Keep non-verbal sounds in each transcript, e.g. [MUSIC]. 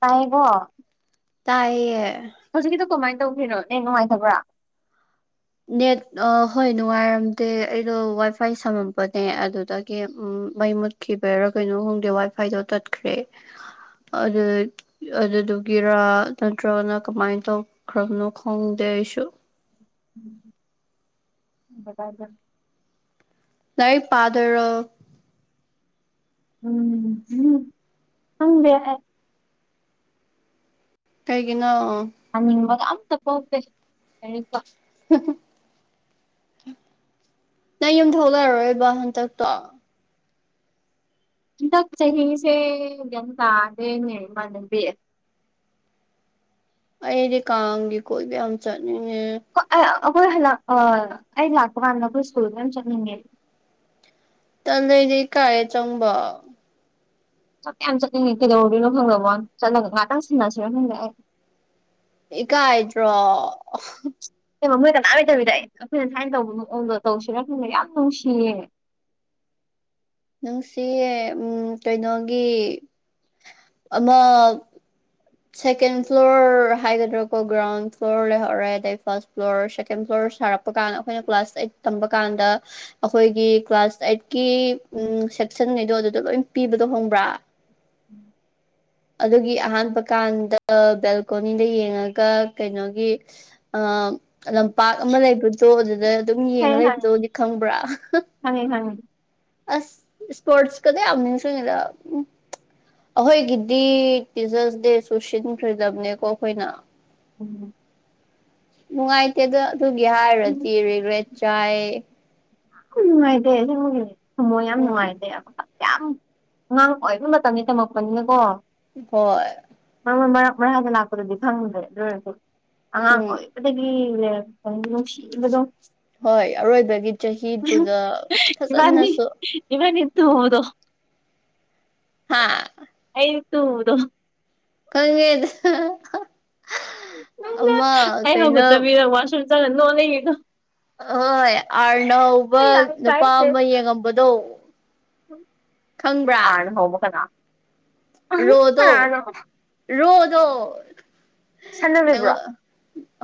ꯇꯥꯏꯀꯣ ꯇꯥꯏꯌꯦ ꯍꯧꯖꯤꯛꯀꯤꯗꯣ ꯀꯃꯥꯏꯅ ꯇꯧꯈꯔꯤꯅꯣ ꯅꯦꯠ ꯅꯨꯡꯉꯥꯏꯇꯕ꯭ꯔꯥ ꯅꯦꯠ ꯍꯣꯏ ꯅꯨꯡꯉꯥꯏꯔꯝꯗꯦ ꯑꯩꯗꯣ ꯋꯥꯏ ꯐꯥꯏ ꯁꯝꯃꯝꯄꯅꯦ ꯑꯗꯨꯗꯒꯤ ꯃꯩ ꯃꯨꯠ ꯈꯤꯕꯩꯔꯥ ꯀꯩꯅꯣ ꯈꯪꯗꯦ ꯋꯥꯏ ꯐꯥꯏꯗꯣ ꯇꯠꯈ꯭ꯔꯦ ꯑꯗꯨ ꯑꯗꯨꯗꯨꯒꯤꯔꯥ ꯅꯠꯇ꯭ꯔꯥꯒꯅ ꯀꯃꯥꯏꯅ ꯇꯧꯈ꯭ꯔꯕꯅꯣ ꯈꯪꯗꯦ ꯑꯩꯁꯨ [UNINTELLIGIBLE] ꯂꯥꯏꯔꯤꯛ ꯄꯥꯗꯣꯏꯔꯣ ꯎꯝ ꯎꯝ ꯍꯪꯗꯦ ꯑꯩ ꯀꯩꯒꯤꯅꯣ ꯄꯥꯅꯤꯡꯕꯒ ꯑꯝꯇꯥ ꯄꯣꯛꯇꯦ ꯂꯥꯏꯔꯤꯛꯀ ꯅꯪ ꯌꯨꯝ ꯊꯣꯛꯂꯔꯔꯣꯏꯕ ꯍꯟꯇꯛꯇꯣ ꯍꯟꯇꯥꯛ ꯆꯍꯤꯁꯦ ꯒꯤꯌꯥꯟ ꯇꯥꯗꯦꯅꯦ ꯏꯃꯥꯟꯅꯕꯤ ꯑꯩꯗꯤ ꯀꯥꯡꯒꯤ ꯀꯣꯏꯕ ꯌꯥꯝ ꯆꯠꯅꯤꯡꯉꯦ ꯑꯩꯈꯣꯏ ꯍꯜꯂꯛ ꯑꯥ ꯑꯩ ꯂꯥꯛꯄꯀꯟꯗ ꯑꯩꯈꯣꯏ ꯏꯁ꯭ꯀꯨꯜꯗ ꯌꯝ ꯆꯠꯅꯤꯡꯉꯦ ꯇꯜꯂꯦ ꯑꯩꯗꯤ ꯏꯀꯥꯏꯌꯦ ꯆꯪꯕ ꯆꯠꯇꯤ ꯌꯥꯝ ꯆꯠꯅꯤꯡꯉꯤ ꯀꯩꯗꯧꯔꯨꯕꯩꯅꯣ ꯈꯪꯗꯕ꯭ꯋꯥꯅꯤ ꯆꯠꯂꯒ ꯉꯥꯛꯇꯪ ꯁꯟꯅꯁꯤꯔꯥ ꯈꯪꯗꯦ ꯑꯪ ꯏꯀꯥꯏ ꯗ꯭ꯔꯣ ꯑꯦꯕ ꯃꯣꯏ ꯀꯅꯥꯝ ꯂꯩꯇꯕꯤꯗ ꯑꯩꯈꯣꯏꯅ ꯊꯥꯏꯅ ꯇꯧꯕ ꯃꯥꯑꯣꯡꯗꯣ ꯇꯧꯁꯤꯔ ꯈꯪꯗꯦ ꯌꯥꯝ ꯅꯨꯡꯁꯤꯌꯦ ꯅꯪꯁꯤꯋꯦ ꯎꯝ ꯀꯩꯅꯣꯒꯤ ꯑꯃ ꯁꯦꯀꯦꯟ ꯐ꯭ꯂꯣꯔ ꯍꯥꯏꯒꯗ꯭ꯔꯥꯀꯣ ꯒ꯭ꯔꯥꯎꯟ ꯐ꯭ꯂꯣꯔ ꯂꯩꯍꯧꯔꯦ ꯑꯗꯩ ꯐꯥꯔꯁ ꯐ꯭ꯂꯣꯔ ꯁꯦꯀꯦꯟ ꯐ꯭ꯂꯣꯔ ꯁꯥꯔꯛꯄ ꯀꯥꯟꯗ ꯑꯩꯈꯣꯏꯅ ꯀ꯭ꯂꯥꯁ ꯑꯩꯠ ꯇꯝꯕ ꯀꯥꯟꯗ ꯑꯩꯈꯣꯏꯒꯤ ꯀ꯭ꯂꯥꯁ ꯑꯩꯠꯀꯤ ꯎꯝ ꯁꯦꯛꯁꯟꯉꯩꯗꯣ ꯑꯗꯨꯗ ꯂꯣꯏ ꯄꯤꯕꯗꯣ ꯈꯪꯕ꯭ꯔꯥ ꯑꯗꯨꯒꯤ ꯑꯍꯥꯟꯄ ꯀꯥꯟꯗ ꯕꯦꯜꯀꯣꯅꯤꯗ ꯌꯦꯡꯉꯒ ꯀꯩꯅꯣꯒꯤ ꯑꯗ ꯄꯥꯛ ꯑꯃ ꯂꯩꯕꯗꯣ ꯑꯗꯨꯗ ꯑꯗꯨꯝ ꯌꯦꯡꯉ ꯈꯪꯉꯦ ꯈꯪꯉꯦ ꯂꯩꯕꯗꯣꯗꯤ ꯈꯪꯕ꯭ꯔꯥ ꯈꯪꯉꯦ ꯈꯪꯉꯦ ꯑꯁ ꯏꯁꯄꯣꯔꯠꯁ ꯀꯗꯣ ꯌꯥꯝ ꯅꯤꯡꯁꯤꯡꯉꯤꯗ ꯑꯈꯣꯏꯒꯤꯗꯤ ꯇꯤꯆ꯭ꯔꯁ ꯗꯦꯁꯨ ꯁꯤꯟꯈ꯭ꯔꯤꯗꯝꯅꯦꯀꯣ ꯑꯈꯣꯏꯅ ꯎꯝ ꯅꯨꯡꯉꯥꯏꯇꯦꯗ ꯑꯗꯨꯒꯤ ꯍꯥꯏꯔꯨꯔꯗꯤ ꯔꯤꯒ꯭ꯔꯦꯠ ꯆꯥꯏꯌꯦ ꯈꯨꯟ ꯅꯨꯡꯉꯥꯏꯇꯦ ꯑꯁꯦꯡꯕꯒꯤ ꯊꯝꯃꯣꯏ ꯌꯥꯝ ꯎꯝ ꯅꯨꯡꯉꯥꯏꯇꯦ ꯑꯝꯇ ꯌꯥꯝ ꯑꯉꯥꯡ ꯑꯣꯏꯕ ꯃꯇꯝꯒꯤ ꯇꯝꯃꯛꯄꯅꯤꯅꯀꯣ ꯍꯣꯏ ꯅꯪꯅ ꯃꯔꯛ ꯃꯔꯥꯡꯗ ꯂꯥꯛꯄꯗꯨꯗꯤ ꯈꯪꯗ꯭ꯔꯦ ꯑꯗꯨ ꯑꯣꯏꯔꯁꯨ ꯑꯉꯥꯡ ꯎꯝ ꯑꯣꯏꯕꯗꯒꯤ ꯂꯩꯔꯛ ꯅꯨꯡꯗꯤ ꯅꯨꯡꯁꯤꯕꯗꯣ ꯍꯣꯏ ꯑꯔꯣꯏꯕꯒꯤ ꯆꯍꯤꯗꯨꯗ ꯐꯖꯅꯁꯨ ꯏꯕꯥꯅꯤꯠ ꯇꯨꯕꯗꯣ ꯍꯥ ꯑꯩꯗꯤ ꯇꯨꯕꯗꯣ ꯈꯪꯉꯦ ꯅꯪꯅ ꯑꯩ ꯍꯧꯒꯠꯇꯕꯤꯗ ꯋꯥꯁꯔꯨꯝ ꯆꯪꯒ ꯅꯣꯛꯑ ꯂꯩꯒꯤꯕꯗꯣ ꯑꯍꯣꯏ ꯑꯥꯔ ꯅ ꯍꯧꯕ ꯑꯩ ꯌꯥꯝ ꯅꯨꯄꯥ ꯑꯃ ꯌꯦꯡꯉꯝꯕꯗꯣ ꯈꯪꯕ꯭ꯔꯥ ꯑꯥꯔ ꯅ ꯍꯧꯕ ꯀꯅꯥ ꯔꯣꯗꯣ ꯀꯅꯥꯅꯣ ꯔꯣꯗꯣ ꯁꯥꯟꯅꯔꯤꯕ꯭ꯔꯣ ꯅꯪꯉꯣꯟ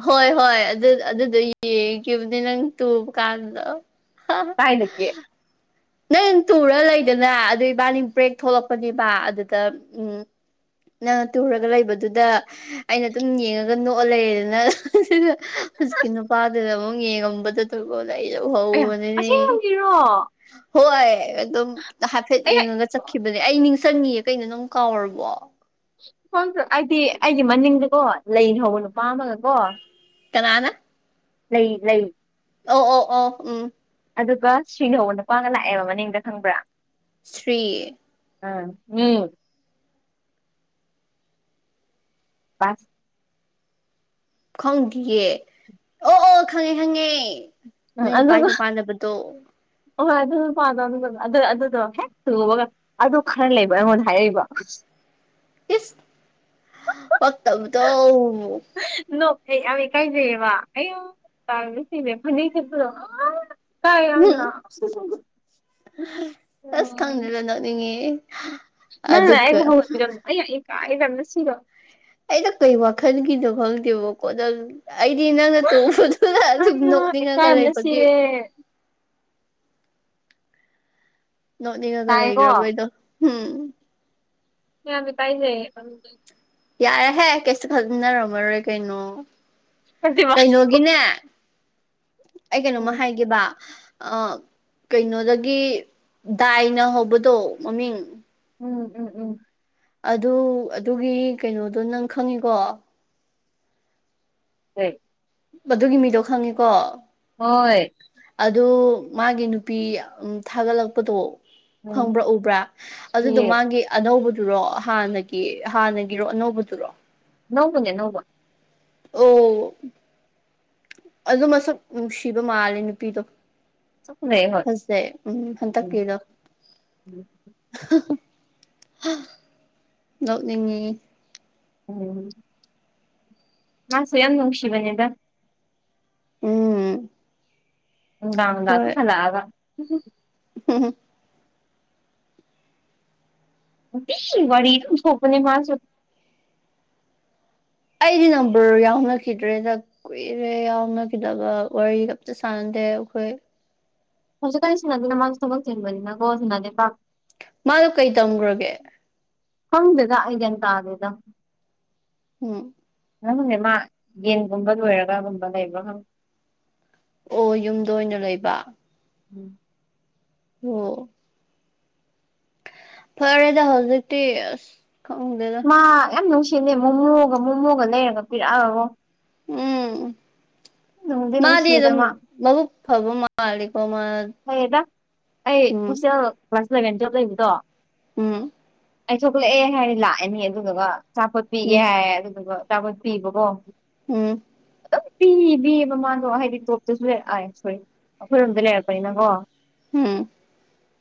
ꯍꯣꯏ ꯍꯣꯏ ꯑꯗꯨ ꯑꯗꯨꯗꯣ ꯌꯦꯡꯈꯤꯕꯅꯦ ꯅꯪ ꯇꯨꯕ ꯀꯥꯟꯗ ꯀꯥꯏꯗꯒꯤ ꯅꯪ ꯇꯨꯔ ꯂꯩꯗꯅ ꯑꯗꯥ ꯏꯕꯥꯅꯤ ꯕ꯭ꯔꯦꯛ ꯊꯣꯛꯂꯛꯄꯅꯦꯕ ꯑꯗꯨꯗ ꯎꯝ ꯅꯪꯅ ꯇꯨꯔꯒ ꯂꯩꯕꯗꯨꯗ ꯑꯩꯅ ꯑꯗꯨꯝ ꯌꯦꯡꯉꯒ ꯅꯣꯛꯑ ꯂꯩꯔꯦꯗꯅ ꯍꯧꯖꯤꯛꯀꯤ ꯅꯨꯄꯥꯗꯨꯗ ꯑꯃꯨꯛ ꯌꯦꯡꯉꯝꯕꯗꯣ ꯇꯨꯡ ꯑꯣꯜꯂ ꯑꯩ ꯂꯧ ꯑꯌꯥ ꯎꯍꯧꯕꯅꯤꯅꯦ [UNINTELLIGIBLE] ꯍꯣꯏ ꯑꯗꯨꯝ ꯍꯥꯏꯐꯦꯠ ꯑꯩ ꯌꯦꯡꯉꯒ ꯆꯠꯈꯤꯕꯅꯦ ꯑꯩ ꯅꯤꯡꯖꯤꯡ ꯆꯪꯉꯤꯌꯦ ꯀꯩꯅꯣ ꯅꯪ ꯀꯥꯎꯔꯕꯣ ꯈꯪꯗꯦ ꯑꯩꯗꯤ ꯑꯩꯒꯤ ꯃꯅꯤꯡꯗꯀꯣ ꯂꯩꯅ ꯍꯧꯕ ꯅꯨꯄꯥ ꯑꯃꯒꯀꯣ ꯀꯅꯥꯅ ꯂꯩ ꯂꯩ ꯑꯧ ꯑꯧ ꯑꯧ ꯎꯝ ꯑꯗꯨꯒ ꯁꯤꯅ ꯍꯧꯕ ꯅꯨꯄꯥꯅ ꯂꯥꯛꯑꯦꯕ ꯃꯅꯤꯡꯗ ꯈꯪꯕ꯭ꯔꯥ ꯁ꯭ꯔꯤ ꯑ ꯎꯝ ꯄꯥꯁ ꯈꯪꯗꯤꯌꯦ ꯑꯣ ꯑꯣ ꯈꯪꯉꯦ ꯈꯪꯉꯦ ꯎꯝ ꯅꯣꯏ ꯅꯨꯄꯥꯒꯤ ꯑꯗꯨꯗꯣ ꯃꯄꯥꯟꯅꯕꯗꯣ ꯑꯍꯣꯏ ꯑꯗꯨ ꯅꯨꯄꯥꯗꯣ ꯑꯗꯨꯒ ꯑꯗꯨ ꯑꯗꯨꯗꯣ ꯍꯦꯛ ꯎꯕꯒ ꯑꯗꯨ ꯈꯔ ꯂꯩꯕ ꯑꯩꯉꯣꯟꯗ ꯍꯥꯏꯔꯛꯏꯕ ꯏꯁ ꯄꯛꯇꯕꯗꯣ ꯅꯣꯛꯑꯦ ꯌꯥꯝ ꯏꯀꯥꯏꯖꯩꯌꯦꯕ ꯑꯌꯥ [UNINTELLIGIBLE] ꯑꯁ [UNINTELLIGIBLE] ꯈꯪꯗꯦꯗ ꯅꯣꯛꯅꯤꯡꯉꯦ ꯅꯪꯅ ꯑꯗꯨꯒ ꯑꯩꯕꯨ ꯍꯧꯒꯠꯄꯤꯗꯕꯠ ꯑꯩ ꯌꯥꯝꯅ ꯏꯀꯥꯏꯖꯕꯅ ꯁꯤꯔꯣ ꯑꯩꯅ ꯀꯩ ꯋꯥꯈꯜꯒꯤꯅꯣ ꯈꯪꯗꯦꯕꯀꯣ ꯅꯪ ꯑꯩꯗꯤ ꯅꯪꯅ ꯇꯣꯡꯕꯗꯨꯅ ꯑꯗꯨꯝ ꯑꯩꯌꯥ ꯅꯣꯛꯅꯤꯡꯉꯒ ꯏꯀꯥꯏꯕꯅ ꯂꯩꯕꯒꯤ ꯁꯤꯔꯦ ꯅꯣꯛꯅꯤꯡꯉꯒ ꯇꯥꯏꯀꯣ ꯂꯩꯒ꯭ꯔꯕ ꯑꯩꯗꯣ ꯍꯨꯝ [UNINTELLIGIBLE] ꯌꯥꯔꯦꯍꯦ ꯀꯩꯁꯨ ꯈꯖꯤꯟꯅꯔꯝꯃꯔꯣꯏ ꯀꯩꯅꯣ ꯅꯠꯇꯦꯕ ꯀꯩꯅꯣ ꯒꯤꯅꯦ ꯑꯩ ꯀꯩꯅꯣꯃꯥ ꯎꯝ ꯍꯥꯏꯒꯦꯕ ꯑ ꯀꯩꯅꯣꯗꯒꯤ ꯗꯥꯏꯅ ꯍꯧꯕꯗꯣ ꯃꯃꯤꯡ ꯎꯝ ꯎꯝ ꯎꯝ ꯑꯗꯨ ꯑꯗꯨꯒꯤ ꯀꯩꯅꯣꯗꯣ ꯅꯪ ꯈꯪꯉꯤꯀꯣ ꯀꯩ ꯑꯗꯨꯗꯨꯒꯤ ꯃꯤꯗꯣ ꯈꯪꯉꯤꯀꯣ ꯍꯣꯏ ꯑꯗꯨ ꯃꯥꯒꯤ ꯅꯨꯄꯤ ꯊꯥꯒꯠꯂꯛꯄꯗꯣ ꯎꯝ ꯈꯪꯕ꯭ꯔꯥ ꯎꯕ꯭ꯔꯥ ꯑꯗꯨꯗꯣ ꯍꯨꯏꯌꯦ ꯃꯥꯒꯤ ꯑꯅꯧꯕꯗꯨꯔꯣ ꯍꯥꯟꯅꯒꯤ ꯍꯥꯟꯅꯒꯤꯔꯣ ꯑꯅꯧꯕꯗꯨꯔꯣ ꯑꯅꯧꯕꯅꯦ ꯑꯅꯧꯕ ꯑꯣ ꯑꯗꯨ ꯃꯁꯛ ꯅꯨꯡꯁꯤꯕ ꯃꯥꯜꯂꯦ ꯅꯨꯄꯤꯗꯣ ꯆꯞ ꯐꯖꯩ ꯍꯣꯏ ꯐꯖꯩ ꯎꯝ ꯎꯝ ꯍꯟꯇꯛꯀꯤꯗꯣ ꯅꯣꯛꯅꯤꯡꯉꯤ ꯎꯝ ꯃꯥꯁꯨ ꯌꯥꯝ ꯅꯨꯡꯁꯤꯕꯅꯦꯗ ꯎꯝ ꯅꯨꯡꯗꯥꯡ ꯅꯨꯡꯗꯥꯡ ꯑꯗꯨꯝ ꯍꯂꯛꯑꯒ ꯍꯝ ꯅꯨꯡꯇꯤꯒꯤ ꯋꯥꯔꯤ ꯑꯗꯨꯝ ꯊꯣꯛꯄꯅꯦ ꯃꯥꯁꯨ ꯑꯩꯗꯤ ꯅꯝꯕꯔ ꯌꯥꯎꯅꯈꯤꯗ꯭ꯔꯦꯗ ꯀꯨꯏꯔꯦ ꯌꯥꯎꯅꯈꯤꯗꯕ ꯋꯥꯔꯤ ꯑꯝꯇ ꯁꯥꯟꯅꯗꯦ ꯑꯩꯈꯣꯏ ꯍꯧꯖꯤꯛꯀꯥꯟ ꯁꯥꯅꯗꯦꯗ ꯃꯥꯁꯨ ꯊꯕꯛ ꯆꯤꯟꯕꯅꯤꯅꯀꯣ ꯁꯥꯅꯗꯦ ꯄꯥꯛ ꯃꯥꯗꯣ ꯀꯩ ꯇꯝꯈ꯭ꯔꯒꯦ ꯈꯪꯗꯦꯗ ꯑꯩ ꯒ꯭ꯌꯥꯟ ꯇꯥꯗꯦꯗ ꯎꯝ ꯃꯥ ꯌꯦꯟꯒꯨꯝꯕ ꯂꯣꯏꯔꯒꯒꯨꯝꯕ ꯂꯩꯕ꯭ꯔ ꯑꯣ ꯌꯨꯝꯗ ꯑꯣꯏꯅ ꯂꯩꯕ ꯎꯝ ꯑꯣ ꯐꯔꯦꯗ ꯍꯧꯖꯤꯛꯇꯤ ꯑꯁ ꯈꯪꯗꯦ ꯑꯥ ꯌꯥꯝ ꯅꯨꯡꯁꯤꯕꯅꯦ ꯃꯣꯃꯣꯒ ꯃꯣꯃꯣꯒ ꯂꯩꯔꯒ ꯄꯤꯔꯛꯑꯒꯀꯣ ꯎꯝ ꯅꯨꯡꯗꯤ ꯃꯥꯗꯤ ꯅꯨꯡꯁꯤꯌꯦꯗ ꯑꯗꯨꯝ ꯃꯥ ꯃꯕꯨꯛ ꯐꯕ ꯃꯥꯂꯦꯀꯣ ꯃꯥ ꯐꯌꯦꯗ ꯑꯩ ꯎꯝ ꯍꯣꯁꯇꯦꯜ ꯀ꯭ꯂꯥꯁ ꯏꯂꯚꯦꯟ ꯇꯨꯌꯦꯜꯕ ꯂꯩꯕꯗꯣ ꯎꯝ ꯑꯩ ꯊꯣꯛꯂꯛꯑꯦ ꯍꯥꯏꯔ ꯂꯥꯛꯑꯅꯤ ꯑꯗꯨꯗꯨꯒ ꯑꯆꯥꯄꯣꯠ ꯄꯤꯒꯦ ꯎꯝ ꯍꯥꯏꯔ ꯑꯗꯨꯗꯨꯒ ꯑꯆꯥꯄꯣꯠ ꯄꯤꯕꯀꯣ ꯎꯝ ꯑꯗꯨ ꯄꯤꯕꯤꯕ ꯃꯥꯗꯣ ꯍꯥꯏꯗꯤ ꯇꯣꯞꯇꯁꯨ ꯂꯩꯔꯛꯑꯦ ꯁꯣꯔꯤ ꯑꯩꯈꯣꯏꯔꯣꯝꯗ ꯂꯩꯔꯛꯄ ꯥꯄꯅꯤꯅ ꯀꯣ ꯎꯝ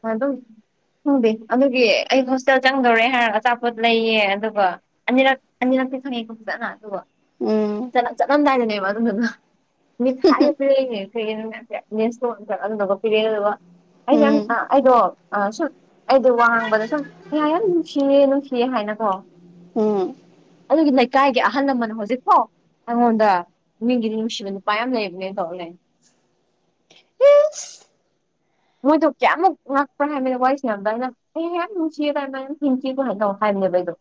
ꯃꯣꯏ ꯑꯗꯨꯝ ꯈꯪꯗꯦ ꯑꯗꯨꯒꯤ ꯑꯩ ꯍꯣꯁꯇꯦꯜ ꯆꯪꯗꯧꯔꯦ ꯍꯥꯏꯔꯒ ꯑꯆꯥꯄꯣꯠ ꯂꯩꯌꯦ ꯑꯗꯨꯒ ꯑꯅꯤꯔꯛ ꯑꯅꯤꯔꯛꯇꯤ ꯈꯪꯉꯦꯀꯣ ꯐꯖꯅ ꯑꯗꯨꯒ ꯎꯝ ꯆꯠꯂ ꯆꯠꯂꯝꯗꯥꯏꯗꯅꯦꯕ ꯑꯗꯨꯗꯨꯅ ꯃꯤꯊꯥꯏꯕꯨ ꯄꯤꯔꯛꯏꯅꯦ ꯀꯩ ꯀꯩꯅꯣ ꯃꯌꯥꯝ ꯄꯤꯔꯛꯑꯦ ꯄꯤꯔꯛꯑꯦ ꯑꯗꯨꯒ ꯎꯝ ꯑꯩꯁꯦ ꯌꯥꯝ ꯎꯝ ꯑꯩꯗꯣ ꯁꯨꯝ ꯑꯩꯗꯣ ꯋꯥ ꯉꯥꯡꯕꯗ ꯁꯨꯝ ꯌꯥ ꯌꯥꯝ ꯅꯨꯡꯁꯤꯌꯦ ꯅꯨꯡꯁꯤꯌꯦ ꯍꯥꯏꯅꯀꯣ ꯎꯝ ꯑꯗꯨꯒꯤ ꯂꯩꯀꯥꯏꯒꯤ ꯑꯍꯜ ꯂꯃꯟ ꯍꯧꯖꯤꯛꯐꯣ ꯑꯩꯉꯣꯟꯗ ꯃꯤꯒꯤꯗꯤ ꯅꯨꯡꯁꯤꯕ ꯅꯨꯄꯥ ꯌꯥꯝ ꯂꯩꯕꯅꯦꯅ ꯇꯧ ꯂꯩ ꯏꯁ ꯃꯣꯏꯗꯨ ꯀꯌꯥꯃꯨꯛ ꯉꯥꯛꯄꯔꯥ ꯍꯥꯏꯃꯤꯗ ꯋꯥꯔꯤ ꯁꯥꯟꯅꯕꯥ ꯑꯩꯅ ꯑꯦ ꯌꯥꯝ ꯅꯨꯡꯁꯤꯌꯦ ꯇꯅ ꯊꯦꯡꯀꯤ ꯍꯥꯏꯗꯣ ꯍꯥꯏꯔꯅꯦꯕꯥꯏꯗꯣ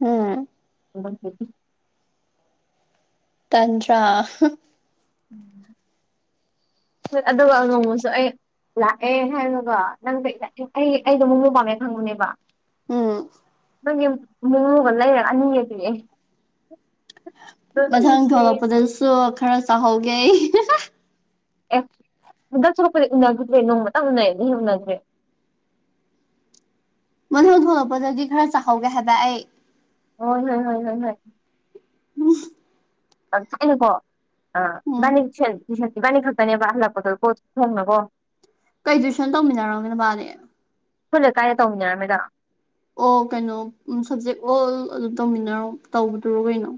ꯎꯝ ꯇꯗ꯭ꯔꯥ ꯍꯣꯏ ꯑꯗꯨꯒ ꯅꯣꯡꯃꯁꯨ ꯑꯩ ꯂꯥꯛꯑꯦ ꯍꯥꯏꯅꯒꯣ ꯅꯪ ꯑꯩ ꯑꯩꯗꯣ ꯑꯃꯨꯛ ꯂꯨ ꯄꯥꯝꯃꯦꯦ ꯈꯪꯉꯨꯅꯦꯕ ꯎꯝ ꯒꯤ ꯃꯨꯉꯨꯒ ꯂꯩꯔ ꯑꯅꯤꯒꯗꯤ ꯃꯊꯪ ꯅꯨꯡꯁꯤꯌꯦ ꯊꯣꯛꯂꯛꯄꯗꯁꯨ ꯈꯔ ꯆꯥꯎꯍꯧꯒꯦ ꯑꯩ ꯑꯦ ꯍꯟꯗꯛ ꯁꯨꯔꯛꯄꯗꯤ ꯎꯅꯈꯤꯗ꯭ꯔꯦ ꯅꯣꯡꯃꯇꯪ ꯎꯅꯔꯦꯗꯤ ꯎꯅꯈ꯭ꯔꯦ ꯃꯅꯨꯡ ꯊꯣꯛꯂꯛꯄꯗꯗꯤ ꯈꯔ ꯆꯥꯍꯧꯒꯦ ꯍꯥꯏꯕ ꯑꯩ ꯑꯣ ꯍ ꯍ ꯍ ꯍꯣꯏ ꯎꯝ ꯠꯅꯀꯣ ꯑꯕꯥꯅꯤ ꯁꯤꯕꯥꯅꯤ ꯈꯛꯇꯅꯦꯕ ꯍꯜꯂꯛꯄꯗꯣ ꯄꯣꯠ ꯊꯣꯡꯅꯀꯣ ꯀꯩ ꯇ꯭ꯋꯏꯁꯟ ꯇꯧꯃꯤꯟꯅꯔꯝꯒꯦꯅ ꯃꯥꯕꯥꯅꯦ ꯑꯩꯈꯣꯏꯅ ꯀꯥꯏꯗ ꯇꯧꯃꯤꯟꯅꯔꯝꯃꯦꯗꯣ ꯑꯣ ꯀꯩꯅꯣ ꯁꯞꯖꯦꯛ ꯑꯣꯜ ꯑꯗꯨꯝ ꯇꯧꯃꯤꯟꯅꯔꯣ ꯇꯧꯕꯗꯨꯔꯣ ꯀꯩꯅꯣ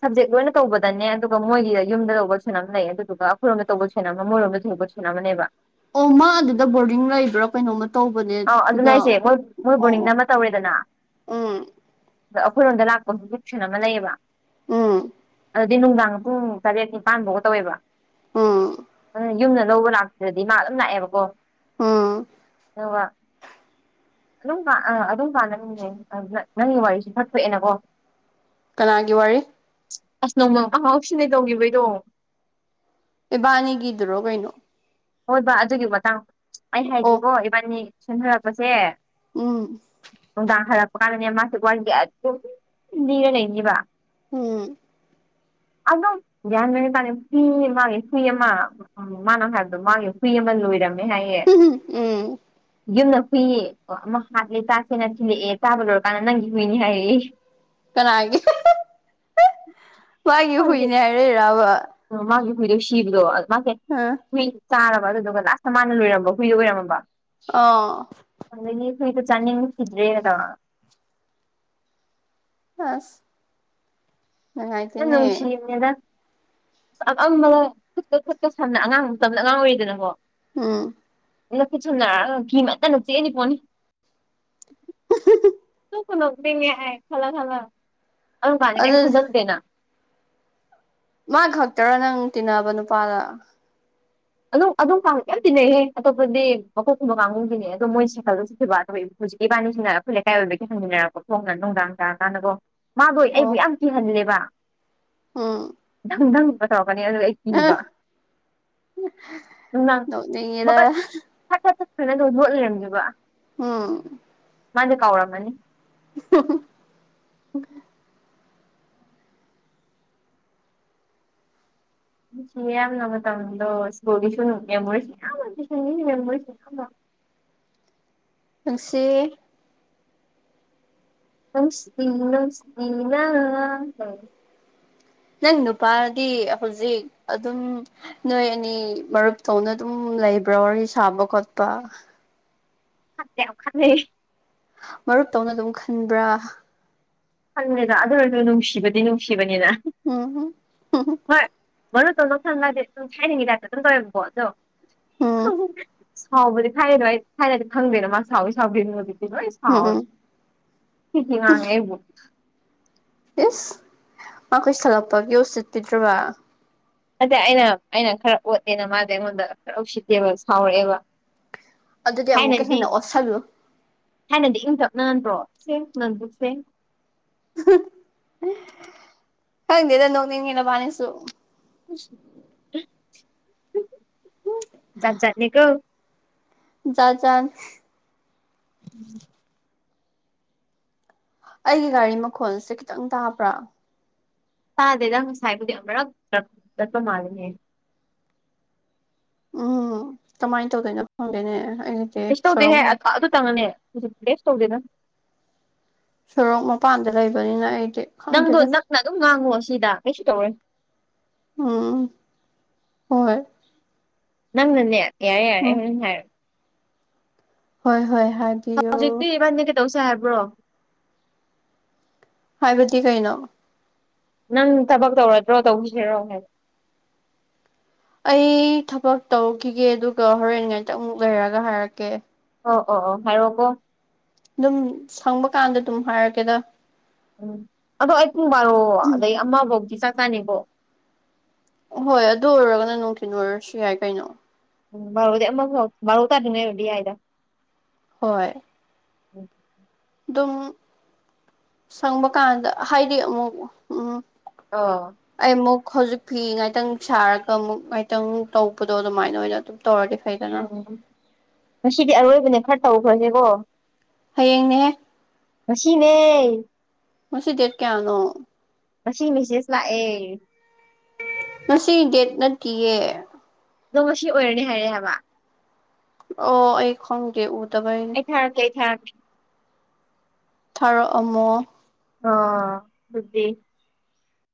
ꯁꯞꯖꯦꯛ ꯂꯣꯏꯅ ꯇꯧꯕꯗꯅꯦ ꯑꯗꯨꯒ ꯃꯣꯏꯒꯤ ꯌꯨꯝꯗ ꯇꯧꯕ ꯁꯦꯟꯅꯝ ꯂꯩ ꯑꯗꯨꯗꯨꯒꯈꯣꯏꯣꯝ ꯇꯧꯕ ꯁꯦꯅ ꯑꯃ ꯃꯣꯏꯔꯣꯝꯗ ꯊꯧꯕ ꯅ ꯃꯅꯦꯕ ꯑꯣꯃ ꯑꯗꯨꯗ ꯕꯣꯔꯗꯤꯡ ꯂꯩꯕ꯭ꯔꯣ ꯀꯩꯅꯣꯝꯃ ꯇꯧꯕꯅꯦ ꯑꯥꯎ ꯑꯗꯨꯅ ꯑꯗꯨꯗ ꯑꯩꯁꯦ ꯃꯣꯏ ꯃꯣꯏ ꯑꯣ ꯕꯣꯔꯅꯤꯡꯗ ꯑꯣ ꯑꯃ ꯇꯧꯔꯦꯗꯅ ꯎꯝ ꯑꯗꯣ ꯑꯩꯈꯣꯏꯔꯣꯝꯗ ꯂꯥꯛꯄ ꯍꯧꯖꯤꯁꯟ ꯑꯃ ꯂꯩꯌꯦꯕ ꯎꯝ ꯑꯗꯨꯗꯤ ꯅꯨꯡꯗꯥꯡ ꯄꯨꯡ ꯇꯔꯦꯠ ꯅꯤꯄꯥꯥꯟꯐꯧꯒ ꯇꯧꯋꯦꯕ ꯎꯝ ꯑꯗꯨ ꯌꯨꯝꯅ ꯂꯧꯕ ꯂꯥꯛꯇ꯭ꯔꯗꯤ ꯃꯥ ꯑꯗꯨꯝ ꯂꯥꯛꯑꯦꯕꯀꯣ ꯑꯥ ꯑꯋꯥ ꯑꯗꯨꯝ ꯑ ꯑꯗꯨꯝ ꯀꯥꯅꯅꯤꯅꯦ ꯅꯪꯒꯤ ꯋꯥꯔꯤꯁꯤꯦ ꯐꯠꯊꯣꯛꯑꯦꯅꯀꯣ ꯀꯅꯥꯒꯤ ꯋꯥꯔꯤ ꯑꯁ ꯅꯣꯡꯃꯪ ꯑꯍꯥꯎꯁꯤꯅꯦ ꯇꯧꯈꯤꯕꯩꯗꯣ ꯏꯕꯥꯅꯤꯒꯤꯗꯨꯔꯣ ꯀꯩꯅꯣ ꯍꯣꯏ ꯕꯥ ꯑꯗꯨꯒꯤ ꯃꯇꯥꯡ ꯑꯩ ꯑꯣ ꯍꯥꯏꯒꯦꯣ ꯏꯕꯥꯅꯤ ꯁꯨꯊꯔꯛꯄꯁꯦ ꯎꯝ ꯅꯨꯡꯗꯥꯡ ꯊꯔꯛꯄ ꯀꯥꯟꯗꯅꯦ ꯃꯥꯁꯤ ꯋꯥꯔꯤꯁ ꯑꯗꯨꯝ ꯂꯤꯅꯤꯔ ꯂꯩꯅꯤꯕ ꯎꯝ ꯑꯗꯨꯝ ꯭ꯟ ꯃꯅꯤ ꯇꯅꯤ ꯐ꯭ ꯃꯥ ꯐꯤ ꯑꯃ ꯎ ꯃꯥꯅ ꯍꯥꯏꯕ ꯑꯗꯣ ꯃꯥꯒꯤ ꯍꯨꯏ ꯑꯃ ꯂꯣꯏꯔꯝꯃꯦ ꯍꯥꯏꯌꯦ ꯎꯝ ꯌꯨꯝꯅ ꯍꯨꯏ ꯑꯃ ꯍꯥꯠꯂꯦ ꯆꯥꯁꯦꯅ ꯊꯤꯜꯂꯛꯑꯦ ꯆꯥꯕ ꯂꯣꯏꯔꯀꯥꯟꯗ ꯅꯪꯒꯤ ꯍꯨꯏꯅꯤ ꯍꯥꯏꯔꯛꯏ ꯀꯅꯥꯒꯤ ꯃꯥꯒꯤ ꯍꯨꯏꯅꯦ ꯍꯥꯏꯔꯛꯏꯔꯕ ꯎꯝ ꯃꯥꯒꯤ ꯀꯣꯏꯗ ꯁꯤꯕꯗꯣ ꯃꯥ ꯍꯥꯥ ꯍꯨꯏ ꯆꯥꯔꯕ ꯑꯗꯨꯗꯨꯒ ꯂꯥꯁꯇ ꯃꯥꯅ ꯂꯣꯏꯔꯝꯕ ꯍꯨꯏ ꯑꯣꯏꯔꯝꯃꯕ ꯑ ꯑꯗꯒꯤ ꯑꯩꯈꯣꯏꯗ ꯆꯥꯅꯤꯡꯕꯈꯤꯗ꯭ꯔꯦꯅ ꯇꯧ ꯑꯥꯁ ꯣ ꯁꯤꯃꯦꯗ ꯑ ꯑꯞꯑꯝꯕꯅ ꯈꯨꯠꯀ ꯈꯨꯠꯀ ꯁꯝꯅ ꯑꯉꯥꯡ ꯃꯇꯝꯗ ꯑꯉꯥꯡ ꯑꯣꯏꯔꯤꯗꯅꯀꯣ ꯎꯝ ꯅꯀꯤ ꯁꯨꯅꯔꯛꯒ ꯤꯃꯠꯇꯅ ꯆꯦꯅꯤ ꯄꯣꯅꯤ [UNINTELLIGIBLE] ꯀꯗ ꯄꯉꯦ ꯈꯜꯂ ꯈꯜꯂ ꯑꯗꯨ ꯀꯥꯟꯅꯤ ꯑꯩ ꯈꯟꯖꯟꯗꯦꯅ ꯃꯥ ꯈꯛꯇꯔ ꯅꯪ ꯇꯤꯟꯅꯕ ꯅꯨꯄꯥꯗ ꯑꯗꯣ ꯑꯗꯣ ꯌꯥꯝ ꯇꯤꯟꯅꯩꯌꯦ ꯑꯇꯣꯞꯄꯗꯤ ꯃꯀꯣꯛꯀꯨꯝꯕ ꯀꯥꯡꯒꯨꯝꯗꯤꯩ ꯑꯗꯣ ꯃꯣꯏ ꯁꯥꯏꯀꯜꯗꯁꯨ ꯊꯤꯕ ꯇꯧ ꯍꯧꯖꯤꯛꯀꯤ ꯏꯕꯥꯅꯤꯁꯤꯅ ꯑꯩꯈꯣꯏ ꯂꯩꯀꯥꯏ ꯑꯣꯏꯕꯒꯤ ꯍꯪꯃꯤꯟꯅꯔꯛꯄ ꯐꯣꯡꯅ ꯅꯨꯡꯗꯥꯡ ꯆꯥꯔꯀꯥꯟꯗꯒꯣ ꯃꯥꯗꯣꯏ ꯑꯩꯕꯨ ꯑꯣ ꯌꯥꯝ ꯀꯤꯍꯜꯂꯦꯕ ꯎꯝ ꯊꯪꯄꯊꯧꯔꯛꯀꯅꯤ ꯑꯗꯨ ꯑꯩ ꯀꯤꯕ ꯎ ꯅꯨꯡꯗꯥꯡ ꯕꯕ ꯁꯠ ꯁꯠ ꯁꯠ ꯈꯅ ꯑꯗꯨꯧ ꯍꯣꯠ ꯂꯩꯔꯝꯒꯦꯕ ꯎꯝ ꯃꯥꯗꯤ ꯀꯥꯎꯔꯝꯃꯅꯤ [UNINTELLIGIBLE] ꯁꯤ ꯌꯥꯝ ꯌꯥꯝ ꯅꯃ ꯃꯇꯝꯗꯣꯣꯒꯤꯁꯨ ꯃꯦꯁꯤ ꯌꯥꯝ ꯃꯁꯤ ꯄꯨꯁꯤ ꯅ ꯅꯁꯤꯄꯤꯅꯥ ꯅꯪ ꯅꯨꯄꯥꯗꯤ ꯍꯧꯖꯤꯛ ꯑꯗꯨꯝ ꯅꯣꯏ ꯑꯅꯤ ꯃꯔꯨꯞ ꯇꯧꯅ ꯑꯗꯨꯝ ꯂꯩꯕ꯭ꯔꯥ ꯋꯥꯔꯤ ꯁꯥꯕ ꯈꯣꯠꯄ ꯈꯥꯟꯗꯦ ꯈꯥꯟꯩ ꯃꯔꯨꯞꯇꯧꯅ ꯑꯗꯨꯝ ꯈꯟꯕ꯭ꯔꯥ ꯈꯪꯉꯦꯗ ꯑꯗꯨ ꯑꯣꯏꯔꯁꯨ ꯅꯨꯡꯁꯤꯕꯗꯤ ꯅꯨꯡꯁꯤꯕꯅꯤꯅ ꯎꯝꯝ ꯍꯣꯏ ꯣ ꯇꯧꯗꯣ ꯈꯪꯂꯗꯤ ꯑꯗꯨꯝ ꯍꯥꯏꯥꯏꯅꯤꯡꯉꯤꯗꯥꯛꯇ ꯑꯗꯨꯝ ꯇꯧꯋꯕꯣ ꯑꯗꯣ ꯎꯝ ꯁꯥꯎꯕꯗꯤ ꯈꯥꯏꯔꯤꯗꯣ ꯑꯩ ꯊꯥꯏꯅꯗꯤ ꯈꯪꯗꯣꯏꯅꯣ ꯃꯥ ꯁꯥꯎꯋꯤ ꯁꯥꯎꯗꯣꯏꯅꯣ ꯑꯗꯨꯗꯤ ꯂꯣꯏ ꯎꯝ ꯎꯝ ꯁꯥꯎꯔꯦ ꯍ ꯉꯥꯡ ꯍꯕꯨ ꯌꯦꯁ ꯃꯈꯈꯣꯏ ꯁꯥꯜꯂꯛꯄꯒꯤꯣꯁꯤꯠꯄꯤꯗ꯭ꯔꯕ ꯑꯗ ꯑꯩꯅ ꯑꯩꯅ ꯈꯔ ꯑꯣꯠꯂꯦꯅ ꯃꯥꯗꯤ ꯑꯩꯉꯣꯟꯗ ꯈꯔ ꯎꯁꯤꯠꯇꯦꯕ ꯁꯥꯎꯔꯛꯑꯦꯕ ꯑꯗꯨꯗꯤ ꯑꯃꯨꯛ ꯀꯩ ꯊꯥꯏꯅꯗꯤ ꯍꯟꯅ ꯑꯣꯠꯁꯜꯂꯨ ꯊꯥꯏꯅꯗꯤ ꯏꯪꯊꯞꯅꯍꯟꯗ꯭ꯔꯣ ꯁꯦꯡ ꯅꯪꯕꯨꯛ ꯁꯦꯡ ꯈꯪꯗꯦꯗ ꯅꯣꯛꯅꯤꯡꯉꯦꯅꯕꯥꯅꯤꯁꯨ ꯞꯖꯠꯅꯤ ꯀꯣ ꯖ ꯆꯥ ꯎꯝ ꯑꯩꯒꯤ ꯒꯥꯔꯤ ꯃꯈꯣꯜꯁꯦ ꯈꯤꯇꯪ ꯇꯥꯕ꯭ꯔꯥ ꯇꯥꯗꯦꯗ ꯉꯁꯥꯏꯕꯨꯗꯤ ꯑꯃꯛꯔꯛ ꯆꯠꯄ ꯃꯥꯜꯂꯅꯦꯍ ꯎꯝ ꯀꯃꯥꯏꯅ ꯇꯧꯗꯣꯏꯅꯣ ꯐꯪꯗꯣꯏꯅꯦ ꯑꯩ ꯇꯦꯁ ꯇꯧꯗꯦꯍꯦ ꯑꯗꯨ ꯇꯪꯉꯅꯤ ꯍꯧꯖꯤꯛ ꯔꯦꯁ ꯇꯧꯗꯦꯗꯪ ꯁꯣꯔꯣꯛ ꯃꯄꯥꯟꯗ ꯂꯩꯕꯅꯤꯅ ꯑꯩꯗꯤ ꯅꯪꯗꯣ ꯈꯪꯗꯦꯗ ꯅꯪꯅ ꯑꯗꯨꯝ ꯉꯥꯡꯉꯣ ꯁꯤꯗ ꯀꯩꯁꯨ ꯇꯧꯔꯦ ꯎꯝ ꯍꯣꯏ ꯅꯪꯅꯅꯦ ꯌꯥꯔꯦ ꯌꯥꯔꯦ ꯎꯝ ꯑꯩꯪ ꯍꯥꯏꯔꯦ ꯍꯣꯏ ꯍꯣꯏ ꯍꯥꯏ ꯍꯧꯖꯤꯛꯇꯤ ꯏꯕꯥꯅꯤ ꯀꯩꯗꯧꯁꯦ ꯍꯥꯏꯕ꯭ꯔꯣ ꯍꯥꯏꯕꯗꯤ ꯀꯩꯅꯣ ꯅꯪ ꯊꯕꯛ ꯇꯧꯔꯗ꯭ꯔꯣ ꯇꯧꯁꯤꯔꯣ ꯍꯥꯏ ꯑꯩ ꯊꯕꯛ ꯇꯧꯈꯤꯒꯦ ꯑꯗꯨꯒ ꯍꯣꯔꯦꯟ ꯉꯥꯏꯇ ꯑꯃꯨꯛ ꯂꯩꯔꯒ ꯍꯥꯏꯔꯛꯀꯦ ꯑꯣ ꯑꯣ ꯑꯣ ꯍꯥꯏꯔꯣꯀꯣ ꯑꯗꯨꯝ ꯁꯪꯕ ꯀꯥꯟꯗ ꯑꯗꯨꯝ ꯍꯥꯏꯔꯛꯀꯦꯗ ꯎꯝ ꯑꯗꯣ ꯑꯩ ꯄꯨꯡ ꯕꯥꯔꯣ ꯑꯗꯩ ꯑꯃꯐꯧꯗꯤ ꯆꯥꯛ ꯆꯥꯅꯤꯕꯣ ꯍꯣꯏ ꯑꯗꯨ ꯑꯣꯏꯔꯒꯅ ꯅꯨꯡꯊꯤꯤꯟ ꯑꯣꯏꯔꯁꯨ ꯌꯥꯏ ꯀꯩꯅꯣ ꯎꯝ ꯃꯔꯨꯗꯤ ꯑꯃ ꯃꯔꯧ ꯇꯥꯗꯉꯩ ꯑꯣꯏꯗꯤ ꯍꯥꯏꯏꯗ ꯍꯣꯏ ꯎꯝ ꯑꯗꯨꯝ ꯁꯪꯕ ꯀꯥꯟꯗ ꯍꯥꯏꯗꯤ ꯑꯃꯨꯛ ꯎꯝ ꯑꯣ ꯑꯩ ꯑꯃꯨꯛ ꯍꯧꯖꯤꯛ ꯐꯤ ꯉꯥꯏꯥꯛꯇꯪ ꯁꯥꯔꯒ ꯑꯃꯨꯛ ꯉꯥꯏꯇꯪ ꯇꯧꯕꯗꯣ ꯑꯗꯨꯃꯥꯏꯅ ꯑꯣꯏꯅ ꯇꯧꯔꯗꯤ ꯐꯩꯗꯅ ꯑꯣ ꯉꯁꯤꯗꯤ ꯑꯔꯣꯏꯕꯅꯦ ꯈꯔ ꯇꯧꯈ꯭ꯔꯒꯦꯀꯣ ꯍꯌꯦꯡꯅꯦꯍꯦ ꯉꯁꯤꯅꯦ ꯉꯁꯤ ꯗꯦꯠ ꯀꯌꯥꯅꯣ ꯉꯁꯤ ꯃꯦꯁꯦꯁ ꯂꯥꯛꯑꯦ ꯉꯁꯤ ꯗꯦꯠ ꯅꯠꯇꯤꯌꯦ ꯑꯗꯣ ꯉꯁꯤ ꯑꯣꯏꯔꯅꯤ ꯍꯥꯏꯔꯛꯑꯦ ꯍꯥꯏꯕ ꯑꯣ ꯑꯩ ꯈꯪꯗꯦ ꯎꯗꯕꯩ ꯑꯩ ꯊꯥꯔꯛꯀꯦ ꯑꯩ ꯊꯥꯔꯛꯀꯦ ꯊꯥꯔꯛꯑꯝꯃꯣ ꯑꯥ ꯗꯨꯗꯤ